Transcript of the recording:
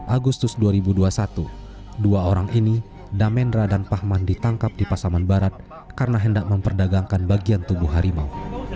agustus dua ribu dua puluh satu dua orang ini damenra dan pahman ditangkap di pasaman barat karena hendak memperdagangkan bagian tubuh harimau